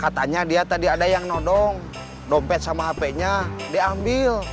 katanya dia tadi ada yang nodong dompet sama hp nya diambil